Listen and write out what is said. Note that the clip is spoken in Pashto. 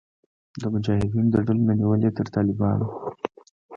د مجاهدینو د ډلو نه نیولې تر طالبانو